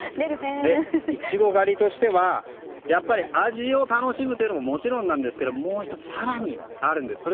イチゴ狩りとしては味を楽しむというのももちろんなんですがもう１つ更にあるんです。